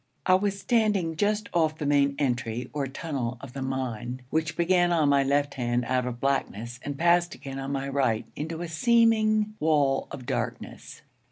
I was standing just off the main entry or tunnel of the mine, which began on my left hand out of blackness and passed again, on my right, into a seeming wall of darkness.